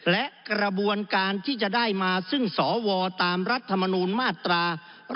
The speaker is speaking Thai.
และกระบวนการที่จะได้มาซึ่งสวตามรัฐมนูลมาตรา๑๑